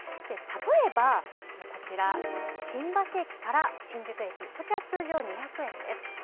例えば新橋駅から新宿駅こちらは通常２００円です。